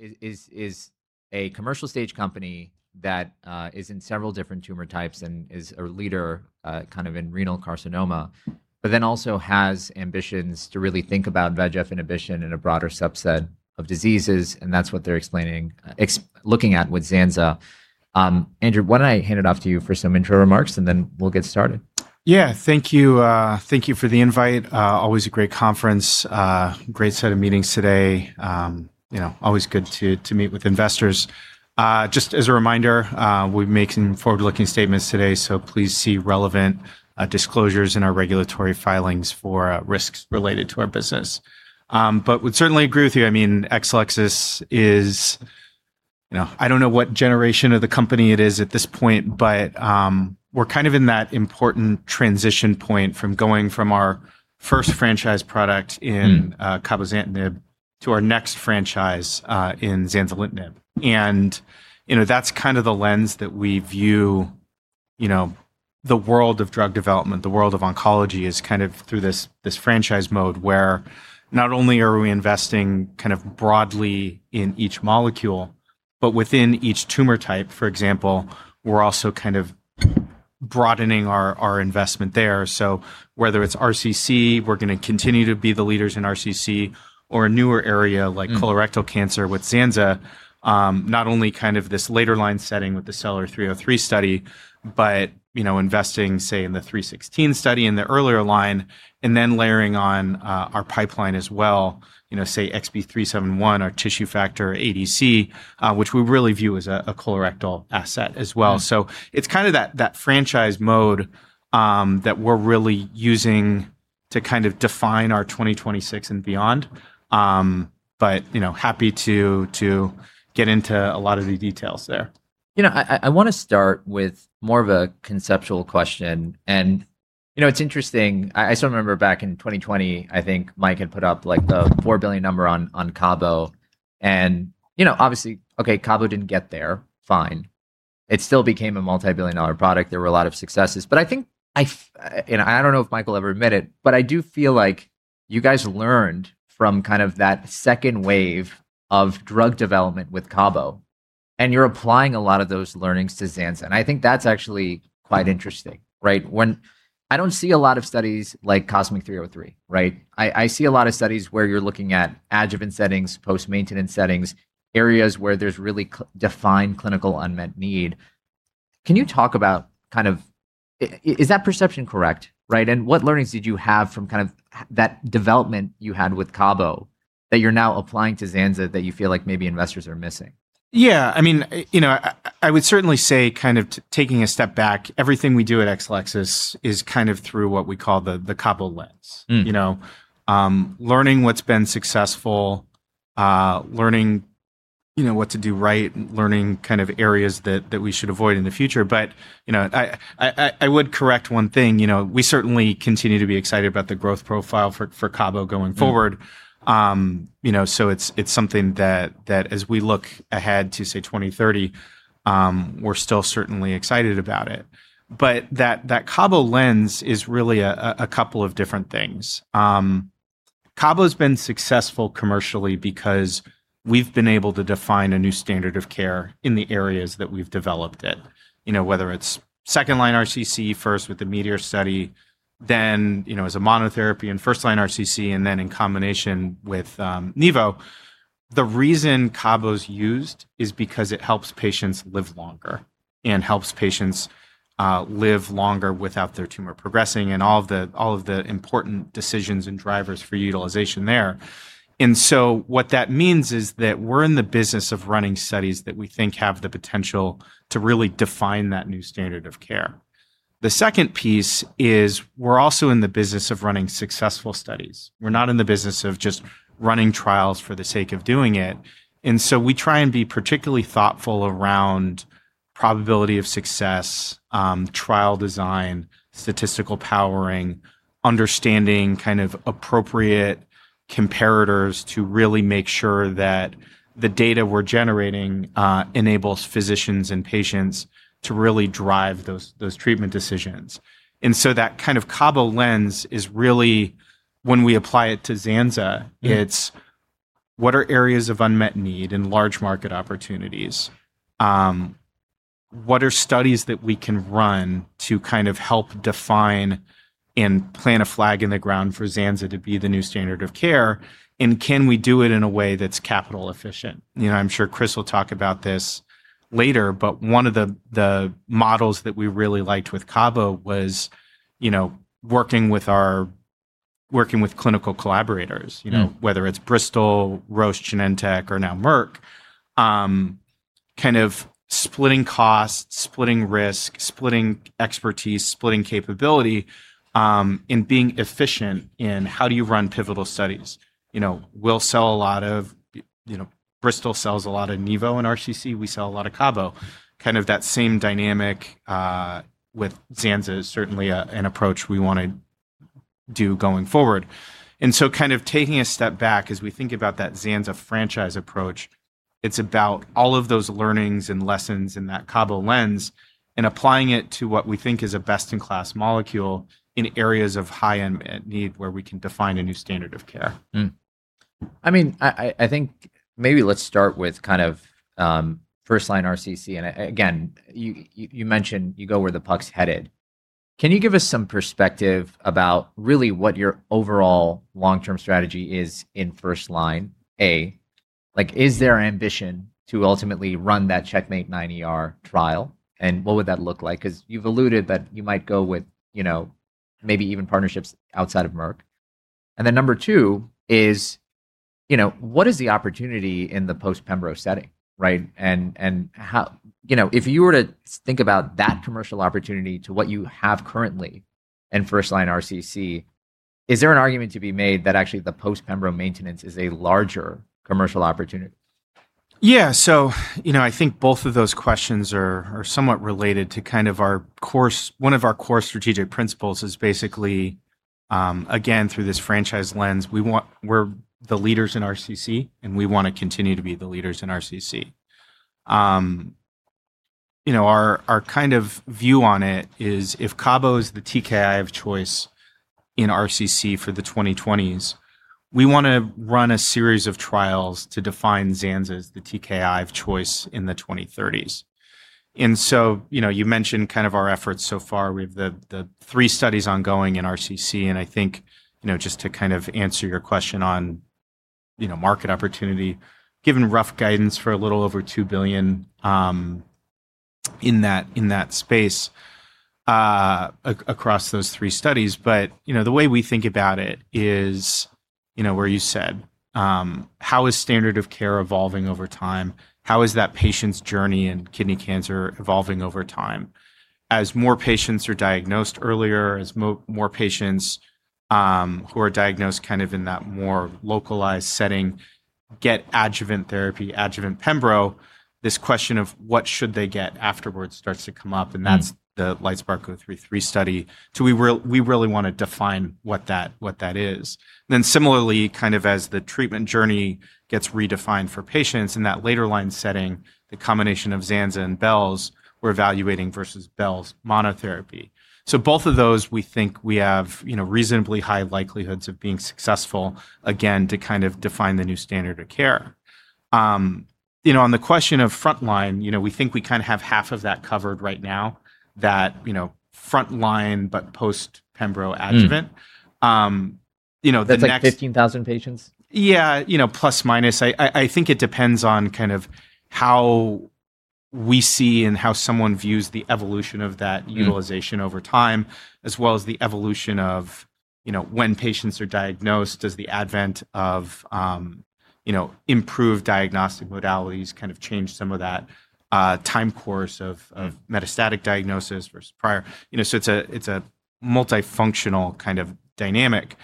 Is a commercial stage company that is in several different tumor types and is a leader in renal carcinoma, but then also has ambitions to really think about VEGF inhibition in a broader subset of diseases, and that's what they're looking at with Zanza. Andrew, why don't I hand it off to you for some intro remarks, and then we'll get started. Yeah. Thank you. Thank you for the invite. Always a great conference. Great set of meetings today. Always good to meet with investors. Just as a reminder, we'll be making forward-looking statements today. Please see relevant disclosures in our regulatory filings for risks related to our business. Would certainly agree with you. Exelixis is, I don't know what generation of the company it is at this point, we're kind of in that important transition point from going from our first franchise product in cabozantinib to our next franchise in zanzalintinib. That's kind of the lens that we view the world of drug development, the world of oncology is kind of through this franchise mode, where not only are we investing broadly in each molecule, but within each tumor type, for example, we're also broadening our investment there. Whether it's RCC, we're going to continue to be the leaders in RCC, or a newer area like colorectal cancer with Zanza, not only this later line setting with the STELLAR-303 study, but investing, say, in the 316 study in the earlier line, and then layering on our pipeline as well, say XB371, our tissue factor ADC, which we really view as a colorectal asset as well. It's that franchise mode that we're really using to define our 2026 and beyond. Happy to get into a lot of the details there. I want to start with more of a conceptual question. It's interesting, I still remember back in 2020, I think Mike had put up the $4 billion number on Cabo, and obviously, okay, Cabo didn't get there. Fine. It still became a multi-billion-dollar product. There were a lot of successes. I think, and I don't know if Michael will ever admit it, but I do feel like you guys learned from that second wave of drug development with Cabo, and you're applying a lot of those learnings to Zanza, and I think that's actually quite interesting, right? When I don't see a lot of studies like COSMIC-313, right? I see a lot of studies where you're looking at adjuvant settings, post-maintenance settings, areas where there's really defined clinical unmet need. Can you talk about, is that perception correct, right? What learnings did you have from that development you had with cabo that you're now applying to zanza that you feel like maybe investors are missing? I would certainly say, taking a step back, everything we do at Exelixis is through what we call the Cabo lens. Learning what's been successful, learning what to do right, learning areas that we should avoid in the future. I would correct one thing. We certainly continue to be excited about the growth profile for Cabo going forward. It's something that as we look ahead to, say, 2030, we're still certainly excited about it. That Cabo lens is really a couple of different things. Cabo's been successful commercially because we've been able to define a new standard of care in the areas that we've developed it, whether it's 2nd-line RCC, first with the METEOR study, then as a monotherapy and 1st-line RCC, and then in combination with nivo. The reason Cabo's used is because it helps patients live longer, and helps patients live longer without their tumor progressing, and all of the important decisions and drivers for utilization there. What that means is that we're in the business of running studies that we think have the potential to really define that new standard of care. The second piece is we're also in the business of running successful studies. We're not in the business of just running trials for the sake of doing it. We try and be particularly thoughtful around probability of success, trial design, statistical powering, understanding appropriate comparators to really make sure that the data we're generating enables physicians and patients to really drive those treatment decisions. That Cabo lens is really when we apply it to Zanza, it's what are areas of unmet need and large market opportunities? What are studies that we can run to help define and plant a flag in the ground for Zanza to be the new standard of care? Can we do it in a way that's capital efficient? I'm sure Chris will talk about this later. One of the models that we really liked with Cabo was working with clinical collaborators. Whether it's Bristol, Roche Genentech, or now Merck, splitting costs, splitting risk, splitting expertise, splitting capability, and being efficient in how do you run pivotal studies. Bristol sells a lot of nivo in RCC. We sell a lot of Cabo. That same dynamic with zanza is certainly an approach we want to do going forward. Taking a step back as we think about that Zanza franchise approach, it's about all of those learnings and lessons in that Cabo lens, and applying it to what we think is a best-in-class molecule in areas of high unmet need where we can define a new standard of care. I think maybe let's start with first line RCC. Again, you mentioned you go where the puck's headed. Can you give us some perspective about really what your overall long-term strategy is in first line? A, is there ambition to ultimately run that CheckMate 9ER trial, and what would that look like? You've alluded that you might go with maybe even partnerships outside of Merck. Number two is, what is the opportunity in the post-pembrolizumab setting, right? If you were to think about that commercial opportunity to what you have currently in first line RCC, is there an argument to be made that actually the post-pembrolizumab maintenance is a larger commercial opportunity? I think both of those questions are somewhat related to one of our core strategic principles is basically, again, through this franchise lens, we're the leaders in RCC, and we want to continue to be the leaders in RCC. Our view on it is, if Cabo is the TKI of choice in RCC for the 2020s, we want to run a series of trials to define Zanza as the TKI of choice in the 2030s. You mentioned our efforts so far. We have the three studies ongoing in RCC, and I think just to answer your question on market opportunity, given rough guidance for a little over $2 billion in that space across those three studies. The way we think about it is where you said, how is standard of care evolving over time? How is that patient's journey in kidney cancer evolving over time? As more patients are diagnosed earlier, as more patients who are diagnosed in that more localized setting get adjuvant therapy, adjuvant pembro, this question of what should they get afterwards starts to come up, and that's the LITESPARK-033 study. We really want to define what that is. Similarly, as the treatment journey gets redefined for patients in that later line setting, the combination of Zanza and BELS we're evaluating versus BELS monotherapy. Both of those, we think we have reasonably high likelihoods of being successful, again, to define the new standard of care. On the question of frontline, we think we have half of that covered right now, that frontline, but post-pembro adjuvant. That's like 15,000 patients? Yeah. Plus, minus. I think it depends on how we see and how someone views the evolution of that utilization over time, as well as the evolution of when patients are diagnosed. Does the advent of improved diagnostic modalities change some of that time course of metastatic diagnosis versus prior? It's a multifunctional kind of dynamic.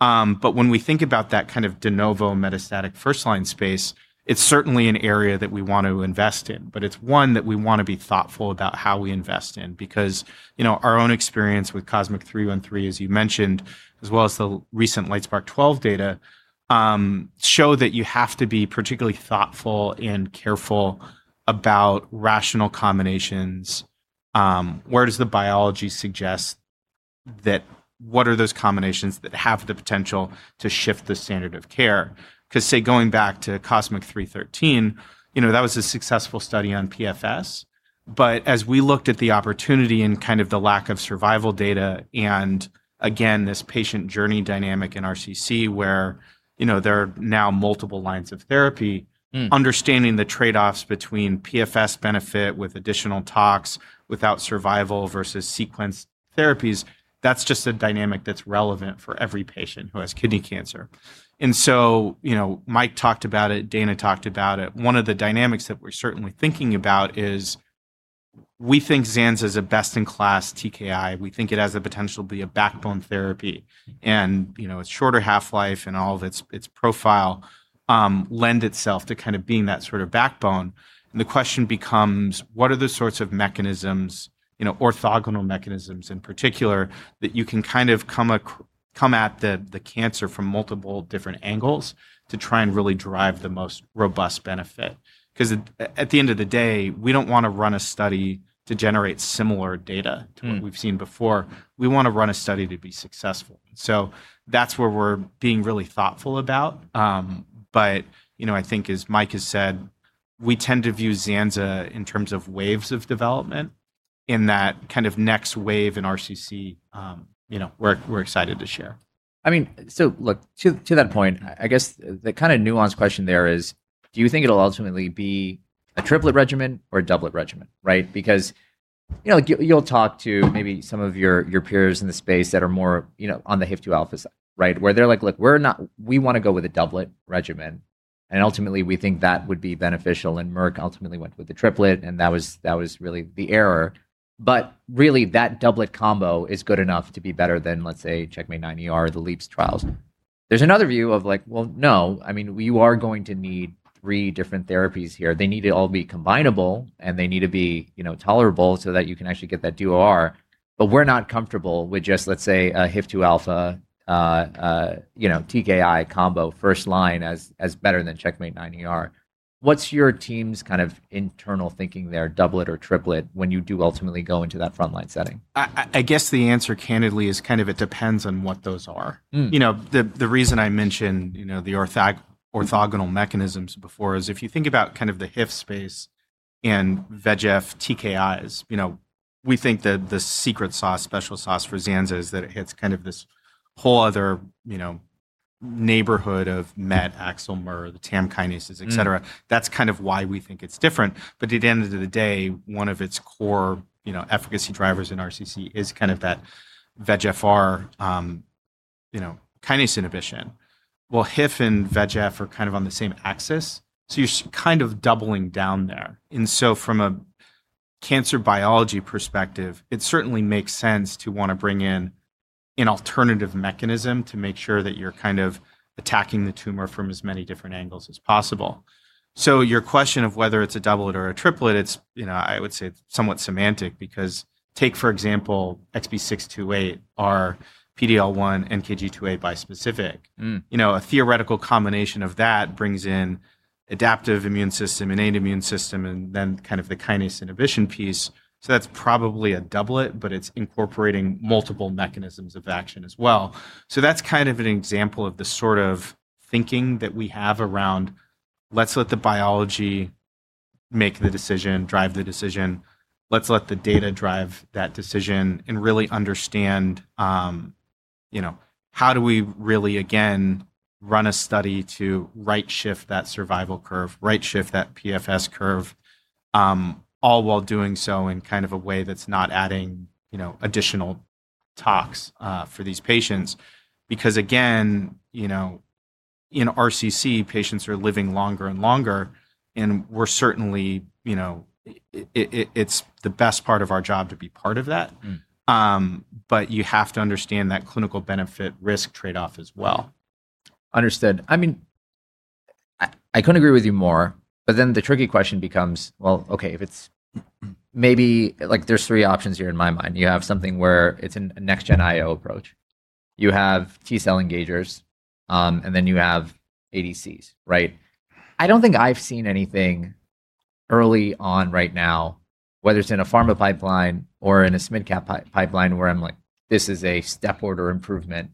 When we think about that kind of de novo metastatic first line space, it's certainly an area that we want to invest in, but it's one that we want to be thoughtful about how we invest in. Our own experience with COSMIC-313, as you mentioned, as well as the recent LITESPARK-012 data, show that you have to be particularly thoughtful and careful about rational combinations. Where does the biology suggest that what are those combinations that have the potential to shift the standard of care? Say, going back to COSMIC-313, that was a successful study on PFS, but as we looked at the opportunity and the lack of survival data and, again, this patient journey dynamic in RCC where there are now multiple lines of therapy. understanding the trade-offs between PFS benefit with additional tox, without survival versus sequenced therapies, that's just a dynamic that's relevant for every patient who has kidney cancer. Mike talked about it, Dana talked about it. One of the dynamics that we're certainly thinking about is we think Zanza is a best in class TKI. We think it has the potential to be a backbone therapy. Its shorter half-life and all of its profile lend itself to being that sort of backbone, and the question becomes, what are the sorts of mechanisms, orthogonal mechanisms in particular, that you can come at the cancer from multiple different angles to try and really drive the most robust benefit? Because at the end of the day, we don't want to run a study to generate similar data to what we've seen before. We want to run a study to be successful. That's where we're being really thoughtful about, but I think as Mike has said, we tend to view Zanza in terms of waves of development in that next wave in RCC, we're excited to share. Look, to that point, I guess the nuanced question there is, do you think it'll ultimately be a triplet regimen or a doublet regimen, right? You'll talk to maybe some of your peers in the space that are more on the HIF-2α side, right? Where they're like, "Look, we want to go with a doublet regimen, and ultimately we think that would be beneficial", and Merck ultimately went with the triplet, and that was really the error. Really, that doublet combo is good enough to be better than, let's say, CheckMate 9ER, the LEAP trials. There's another view of like, "Well, no. You are going to need three different therapies here. They need to all be combinable, and they need to be tolerable so that you can actually get that DOR. We're not comfortable with just, let's say, a HIF-2α TKI combo first line as better than CheckMate 9ER. What's your team's internal thinking there, doublet or triplet, when you do ultimately go into that frontline setting? I guess the answer candidly is it kind of depends on what those are. The reason I mentioned the orthogonal mechanisms before is if you think about the HIF space and VEGF TKIs, we think that the secret sauce, special sauce for Zanza is that it hits this whole other neighborhood of MET, AXL, MER, the TAM kinases, et cetera. That's kind of why we think it's different. At the end of the day, one of its core efficacy drivers in RCC is that VEGFR kinase inhibition. Well, HIF and VEGF are on the same axis, so you're kind of doubling down there. From a cancer biology perspective, it certainly makes sense to want to bring in an alternative mechanism to make sure that you're attacking the tumor from as many different angles as possible. Your question of whether it's a doublet or a triplet, I would say it's somewhat semantic because take, for example, XB62A, our PD-L1xNKG2A bispecific. A theoretical combination of that brings in adaptive immune system, innate immune system, and then the kinase inhibition piece. That's probably a doublet, but it's incorporating multiple mechanisms of action as well. That's an example of the sort of thinking that we have around let's let the biology make the decision, drive the decision. Let's let the data drive that decision and really understand how do we really, again, run a study to right-shift that survival curve, right-shift that PFS curve, all while doing so in a way that's not adding additional tox for these patients. Again, in RCC, patients are living longer and longer, and it's the best part of our job to be part of that. You have to understand that clinical benefit risk trade-off as well. Understood. I couldn't agree with you more, the tricky question becomes, well, okay, there's three options here in my mind. You have something where it's a next-gen IO approach. You have T cell engagers, you have ADCs, right? I don't think I've seen anything early on right now, whether it's in a pharma pipeline or in a mid-cap pipeline where I'm like, "This is a step order improvement."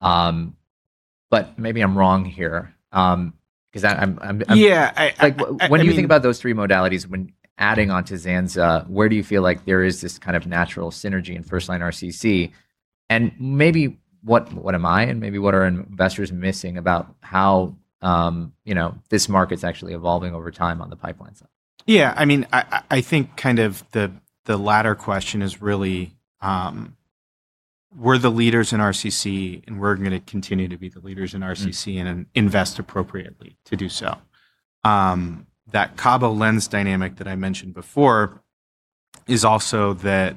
Maybe I'm wrong here. Yeah When you think about those three modalities, when adding onto Zanza, where do you feel like there is this kind of natural synergy in first-line RCC? Maybe what are investors missing about how this market's actually evolving over time on the pipeline side? Yeah, I think the latter question is really, we're the leaders in RCC, and we're going to continue to be the leaders in RCC. Invest appropriately to do so. That Cabo-lens dynamic that I mentioned before is also that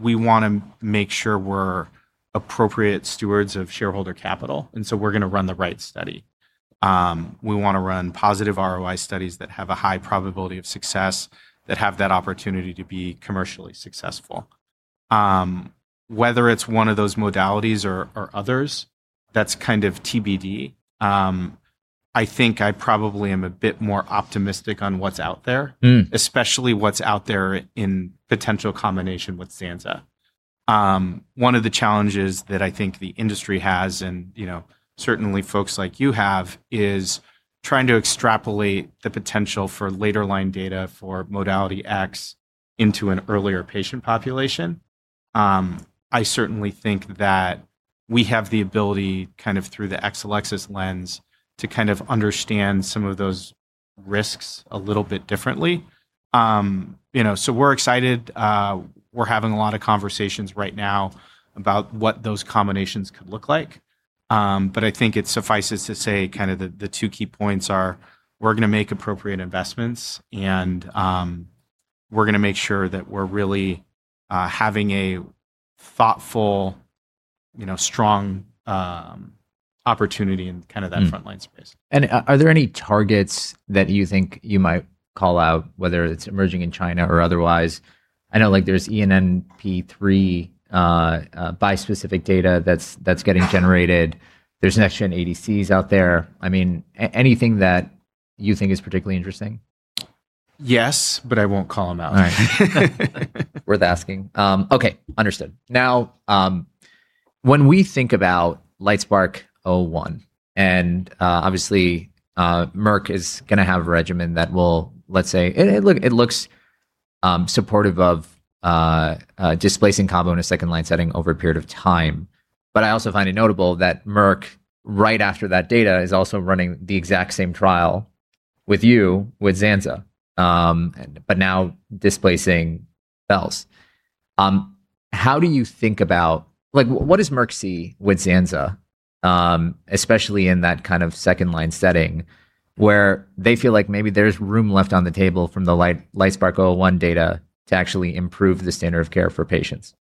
we want to make sure we're appropriate stewards of shareholder capital, and so we're going to run the right study. We want to run positive ROI studies that have a high probability of success, that have that opportunity to be commercially successful. Whether it's one of those modalities or others, that's kind of TBD. I think I probably am a bit more optimistic on what's out there. Especially what's out there in potential combination with Zanza. One of the challenges that I think the industry has, and certainly folks like you have, is trying to extrapolate the potential for later line data for modality X into an earlier patient population. I certainly think that we have the ability through the Exelixis lens to understand some of those risks a little bit differently. We're excited. We're having a lot of conversations right now about what those combinations could look like. I think it suffices to say the two key points are, we're going to make appropriate investments, and we're going to make sure that we're really having a thoughtful, strong opportunity in that frontline space. Are there any targets that you think you might call out, whether it's emerging in China or otherwise? I know there's ENPP3 bispecific data that's getting generated. There's next gen ADCs out there. Anything that you think is particularly interesting? Yes, I won't call them out. All right. Worth asking. Okay, understood. When we think about LITESPARK-001, and obviously, Merck is going to have a regimen that will, let's say, it looks supportive of displacing Cabo in a second line setting over a period of time. I also find it notable that Merck, right after that data, is also running the exact same trial with you, with Zanza, but now displacing belzutifan. How do you think about, what does Merck see with Zanza, especially in that second line setting where they feel like maybe there's room left on the table from the LITESPARK-001 data to actually improve the standard of care for patients?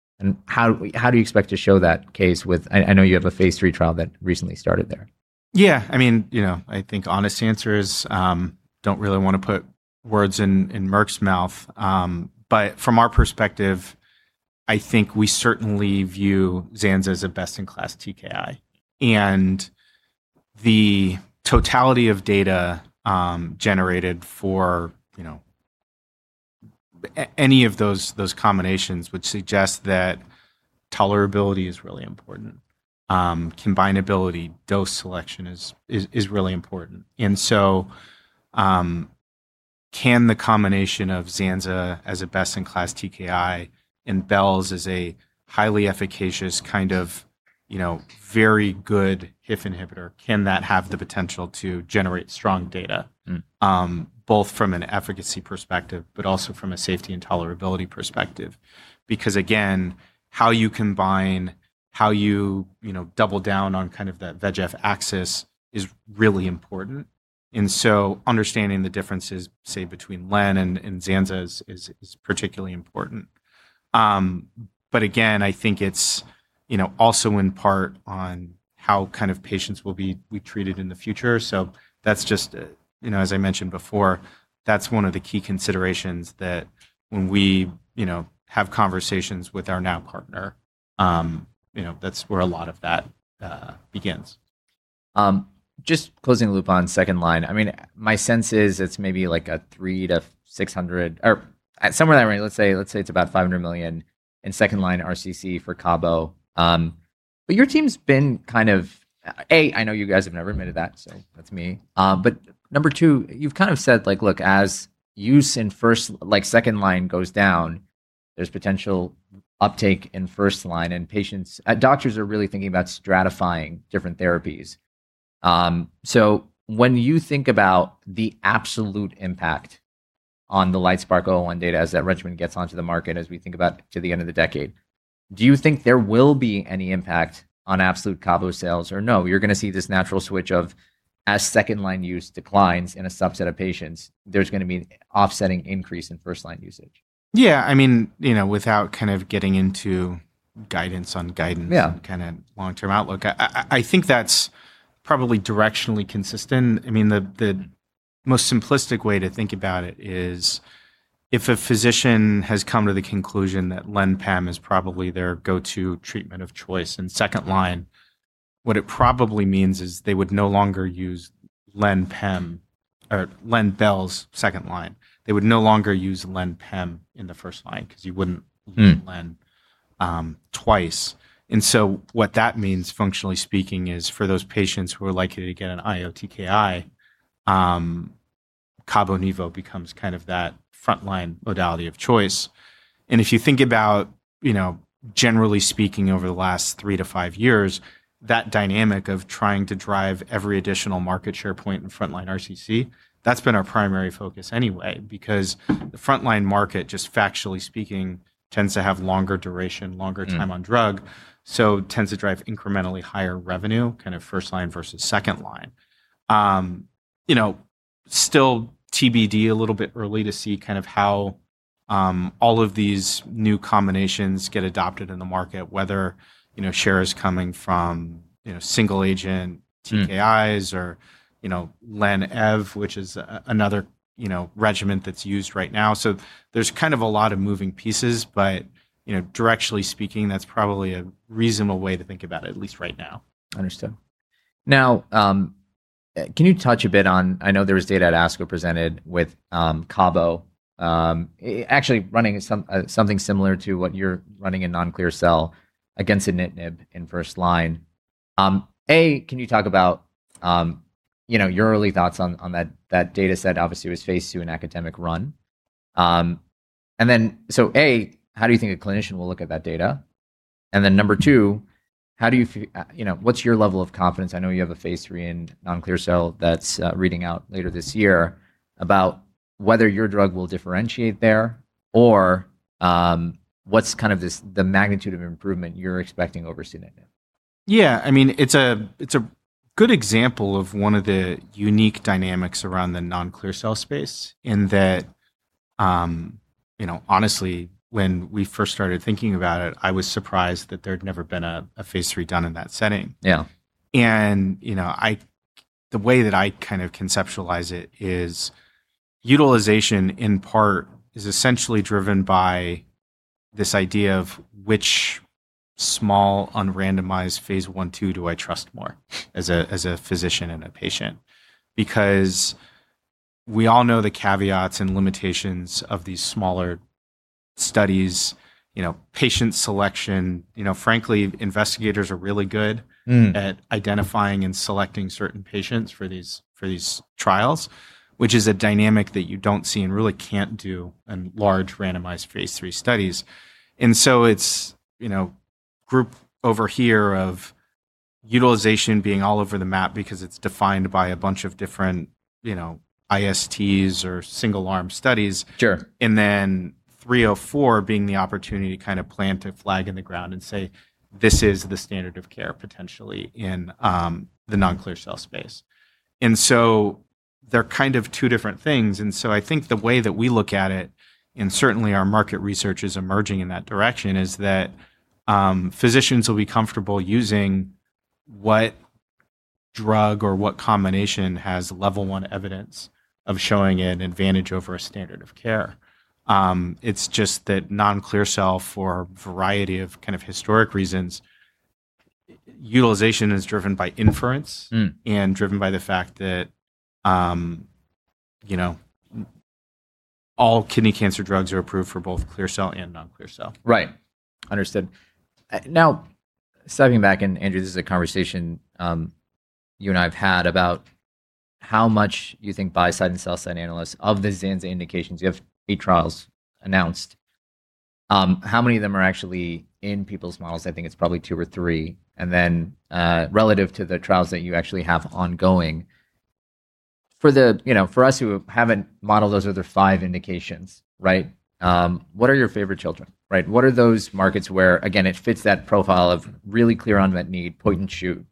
How do you expect to show that case with, I know you have a phase III trial that recently started there. Yeah. I think honest answer is, don't really want to put words in Merck's mouth. From our perspective I think we certainly view Zanza as a best-in-class TKI, and the totality of data generated for any of those combinations would suggest that tolerability is really important. Combinability, dose selection is really important. Can the combination of Zanza as a best-in-class TKI and BELS as a highly efficacious, very good HIF inhibitor, can that have the potential to generate strong data? Both from an efficacy perspective, also from a safety and tolerability perspective. Again, how you combine, how you double down on that VEGF axis is really important. Understanding the differences, say, between lenvatinib and Zanza is particularly important. Again, I think it's also in part on how patients will be treated in the future. As I mentioned before, that's one of the key considerations that when we have conversations with our now partner, that's where a lot of that begins. Just closing the loop on second line. My sense is it's maybe like a $300-$600 or somewhere in that range. Let's say it's about $500 million in second line RCC for Cabo. Your team's been kind of, A, I know you guys have never admitted that, so that's me. Number two, you've said like, look, as use in second line goes down, there's potential uptake in first line, and doctors are really thinking about stratifying different therapies. When you think about the absolute impact on the LITESPARK-001 data as that regimen gets onto the market, as we think about to the end of the decade, do you think there will be any impact on absolute Cabo sales? No, you're going to see this natural switch of as second line use declines in a subset of patients, there's going to be offsetting increase in first line usage. Without getting into guidance on guidance. Yeah long term outlook, I think that's probably directionally consistent. The most simplistic way to think about it is if a physician has come to the conclusion that LEN PEM is probably their go-to treatment of choice in second line, what it probably means is they would no longer use LEN PEM or LEN BELS second line. They would no longer use LEN PEM in the first line because you wouldn't. use LEN twice. What that means, functionally speaking, is for those patients who are likely to get an IO TKI, Cabo nivo becomes that frontline modality of choice. If you think about, generally speaking, over the last three to five years, that dynamic of trying to drive every additional market share point in frontline RCC, that's been our primary focus anyway, because the frontline market, just factually speaking, tends to have longer duration, longer time on drug, so tends to drive incrementally higher revenue, first line versus second line. Still TBD, a little bit early to see how all of these new combinations get adopted in the market, whether share is coming from single agent TKIs or LEN EV, which is another regimen that's used right now. There's a lot of moving pieces, but directionally speaking, that's probably a reasonable way to think about it, at least right now. Understood. Now, can you touch a bit on, I know there was data at ASCO presented with Cabo, actually running something similar to what you're running in non-clear cell against a sunitinib in first line. A, can you talk about your early thoughts on that data set obviously was phase II an academic run. How do you think a clinician will look at that data? Number two, what's your level of confidence? I know you have a phase III in non-clear cell that's reading out later this year about whether your drug will differentiate there or what's the magnitude of improvement you're expecting over sunitinib. Yeah, it's a good example of one of the unique dynamics around the non-clear cell space in that, honestly, when we first started thinking about it, I was surprised that there had never been a phase III done in that setting. Yeah. The way that I conceptualize it is utilization in part is essentially driven by this idea of which small unrandomized Phase I, II do I trust more as a physician and a patient? We all know the caveats and limitations of these smaller studies, patient selection. at identifying and selecting certain patients for these trials, which is a dynamic that you don't see and really can't do in large randomized Phase III studies. It's group over here of utilization being all over the map because it's defined by a bunch of different ISTs or single arm studies. Sure. STELLAR-304 being the opportunity to plant a flag in the ground and say, "This is the standard of care potentially in the non-clear cell space." They're two different things. I think the way that we look at it, and certainly our market research is emerging in that direction, is that physicians will be comfortable using what drug or what combination has level one evidence of showing an advantage over a standard of care. It's just that non-clear cell for a variety of historic reasons, utilization is driven by inference and Driven by the fact that all kidney cancer drugs are approved for both clear cell and non-clear cell. Right. Understood. Stepping back, and Andrew, this is a conversation you and I have had about how much you think buy-side and sell-side analysts, of the Zanza indications, you have eight trials announced. How many of them are actually in people's models? I think it's probably two or three. Relative to the trials that you actually have ongoing, for us who haven't modeled those other five indications, what are your favorite children? What are those markets where, again, it fits that profile of really clear unmet need, point and shoot?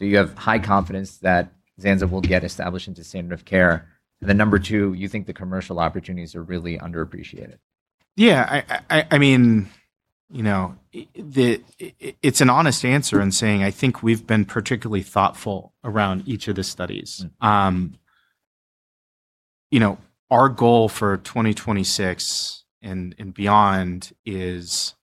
You have high confidence that Zanza will get established into standard of care, and then number two, you think the commercial opportunities are really underappreciated. Yeah. It's an honest answer in saying I think we've been particularly thoughtful around each of the studies. Our goal for 2026 and beyond is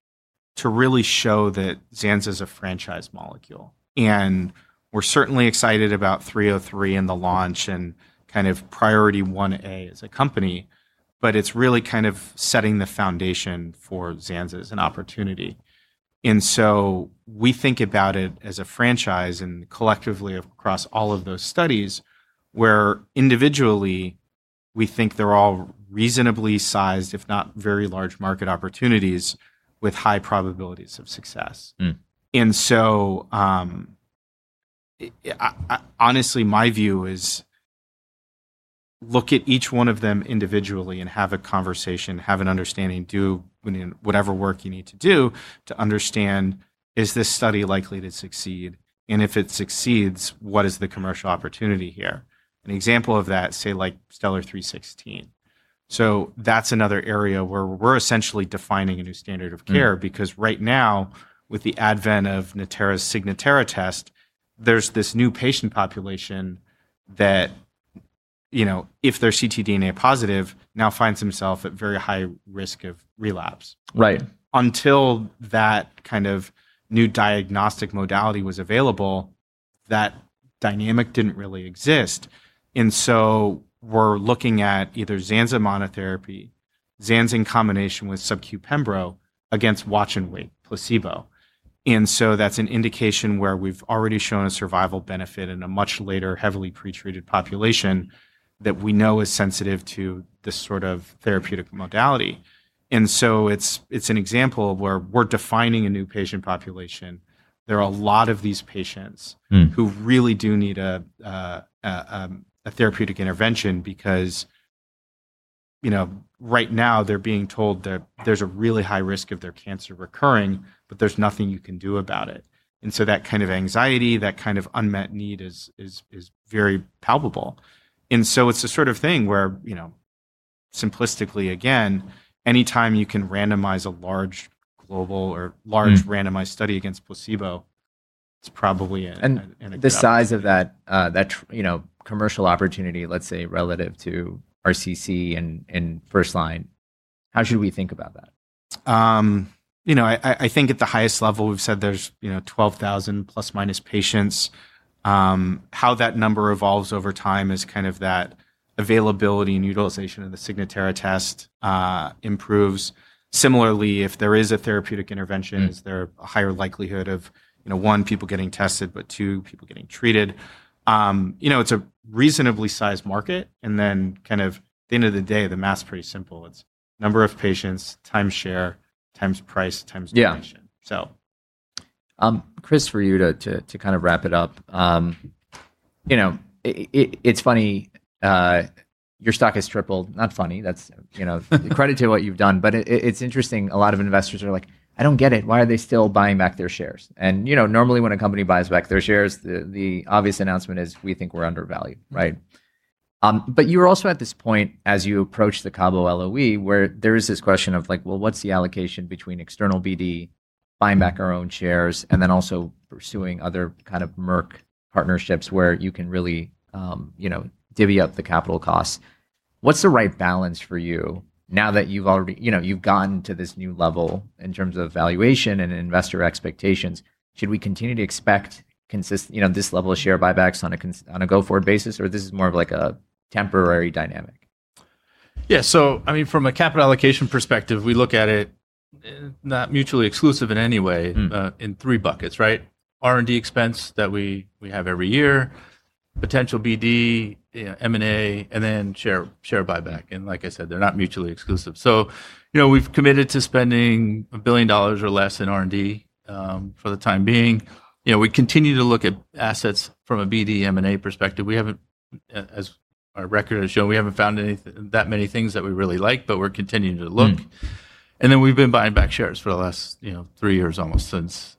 to really show that Zanza's a franchise molecule. We're certainly excited about 303 and the launch, and priority one A as a company, but it's really setting the foundation for Zanza as an opportunity. We think about it as a franchise and collectively across all of those studies, where individually we think they're all reasonably sized, if not very large market opportunities with high probabilities of success. Honestly my view is look at each one of them individually and have a conversation, have an understanding, do whatever work you need to do to understand, is this study likely to succeed? If it succeeds, what is the commercial opportunity here? An example of that, say like STELLAR-316. That's another area where we're essentially defining a new standard of care. Right now, with the advent of Natera's Signatera test, there's this new patient population that if they're ctDNA positive, now finds themself at very high risk of relapse. Right. Until that kind of new diagnostic modality was available, that dynamic didn't really exist. We're looking at either Zanza monotherapy, Zanza in combination with subcutaneous pembrolizumab against watch and wait placebo. That's an indication where we've already shown a survival benefit in a much later, heavily pre-treated population that we know is sensitive to this sort of therapeutic modality. It's an example of where we're defining a new patient population. There are a lot of these patients- who really do need a therapeutic intervention because right now they're being told that there's a really high risk of their cancer recurring, but there's nothing you can do about it. That kind of anxiety, that kind of unmet need is very palpable. It's the sort of thing where, simplistically again, any time you can randomize a large global. large randomized study against placebo, it's probably an opportunity. The size of that commercial opportunity, let's say relative to RCC in first line, how should we think about that? I think at the highest level we've said there's 12,000 ± patients. How that number evolves over time is kind of that availability and utilization of the Signatera test improves. Similarly, if there is a therapeutic intervention. Is there a higher likelihood of, one, people getting tested, but two, people getting treated? It's a reasonably sized market. At the end of the day, the math's pretty simple. It's number of patients, times share, times price, times duration. Yeah. So. Chris, for you to wrap it up. It's funny, your stock has tripled. Not funny, credit to what you've done, but it's interesting. A lot of investors are like, "I don't get it. Why are they still buying back their shares?" Normally when a company buys back their shares, the obvious announcement is, "We think we're undervalued". You're also at this point, as you approach the Cabo LOE, where there is this question of, well, what's the allocation between external BD, buying back our own shares, and then also pursuing other kind of Merck partnerships where you can really divvy up the capital costs. What's the right balance for you now that you've gotten to this new level in terms of valuation and investor expectations? Should we continue to expect this level of share buybacks on a go-forward basis, or this is more of like a temporary dynamic? Yeah. From a capital allocation perspective, we look at it, not mutually exclusive in any way. In three buckets: R&D expense that we have every year, potential BD, M&A, then share buyback. Like I said, they're not mutually exclusive. We've committed to spending $1 billion or less in R&D for the time being. We continue to look at assets from a BD M&A perspective. As our record has shown, we haven't found that many things that we really like, but we're continuing to look. Then we've been buying back shares for the last three years almost, since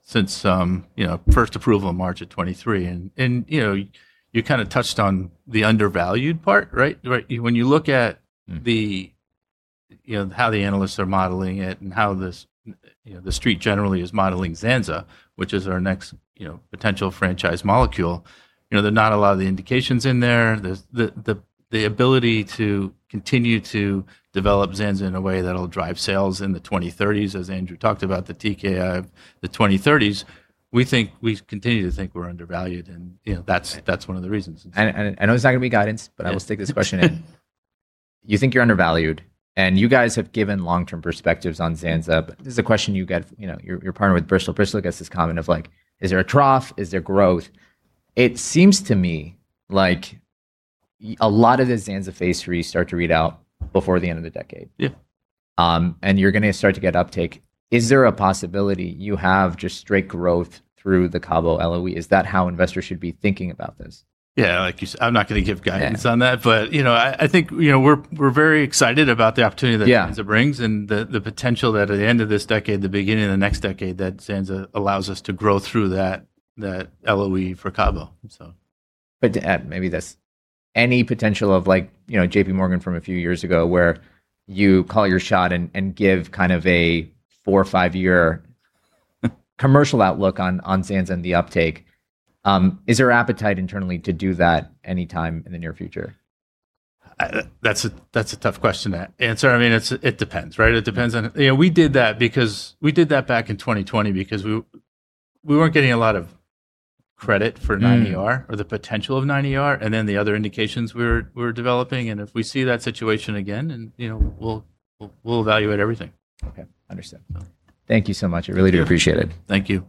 first approval March of 2023. You touched on the undervalued part. When you look at the how the analysts are modeling it and how the Street generally is modeling Zanza, which is our next potential franchise molecule, there are not a lot of the indications in there. The ability to continue to develop Zanza in a way that'll drive sales in the 2030s, as Andrew talked about, the TKI of the 2030s. We continue to think we're undervalued. That's one of the reasons. I know it's not going to be guidance. I will stick this question in. You think you're undervalued. You guys have given long-term perspectives on Zanza. This is a question you get, you're partnered with Bristol. Bristol gets this comment of is there a trough? Is there growth? It seems to me like a lot of the Zanza Phase III start to read out before the end of the decade. Yeah. You're going to start to get uptake. Is there a possibility you have just straight growth through the Cabo LOE? Is that how investors should be thinking about this? Yeah. I'm not going to give guidance on that. Yeah. I think we're very excited about the opportunity. Yeah Zanza brings, and the potential that at the end of this decade, the beginning of the next decade, that Zanza allows us to grow through that LOE for Cabo. To add maybe this, any potential of J.P. Morgan from a few years ago where you call your shot and give a four or five year commercial outlook on Zanza and the uptake. Is there appetite internally to do that any time in the near future? That's a tough question to answer. It depends. We did that back in 2020 because we weren't getting a lot of credit for 9ER. or the potential of 9ER, then the other indications we were developing. If we see that situation again, we'll evaluate everything. Okay. Understood. All right. Thank you so much. I really do appreciate it. Thank you.